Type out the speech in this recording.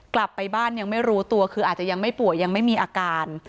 กลับไปบ้านยังไม่รู้ตัวคืออาจจะยังไม่ป่วยยังไม่มีอาการ